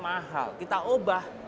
mahal kita ubah